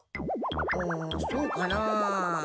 うんそうかなあ。